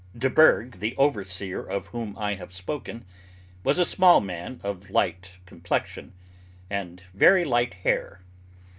Deburgh, the overseer, of whom I have spoken, was a small man, of light complexion, and very light hair.